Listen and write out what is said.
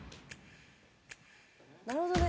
なるほどね。